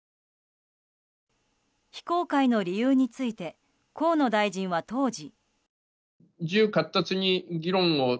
非公開の理由について河野大臣は当時。